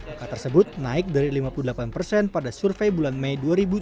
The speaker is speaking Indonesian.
angka tersebut naik dari lima puluh delapan persen pada survei bulan mei dua ribu dua puluh